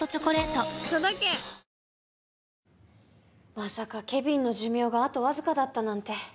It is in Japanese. まさかケビンの寿命があとわずかだったなんて。